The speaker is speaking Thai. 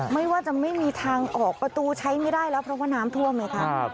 ไม่ว่าจะไม่มีทางออกประตูใช้ไม่ได้แล้วเพราะว่าน้ำท่วมไงคะ